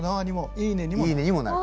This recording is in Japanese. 「いいね」にもなる。